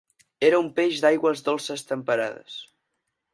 Era un peix d'aigües dolces temperades.